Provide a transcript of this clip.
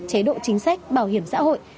chế độ chính sách bảo hiểm xã hội